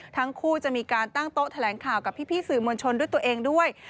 ทั้งคู่จะมีการตั้งโต๊ะแถลงข่าวกับพี่สื่อมวลชนด้วยตัวเองด้วย